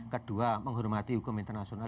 kedua menghormati hukum internasional